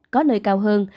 có nơi cao hơn